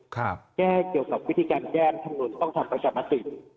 แก้เกี่ยวกับวิธีการแก้คำหนูต้องทำประชามติ